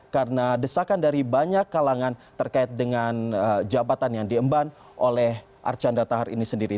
karena desakan dari banyak kalangan terkait dengan jabatan yang diemban oleh archandra tahar ini sendiri